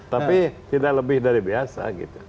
tapi tidak lebih dari biasa gitu